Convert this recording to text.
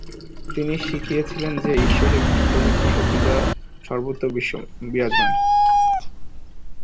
তিনি শিখিয়েছিলেন যে ঈশ্বর একটি পবিত্র শক্তি যা সর্বত্র বিরাজমান।